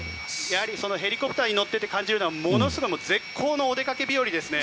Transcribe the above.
ヘリコプターに乗っていて感じるのはものすごい絶好のお出かけ日和ですね。